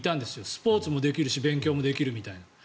スポーツもできるし勉強もできるみたいな。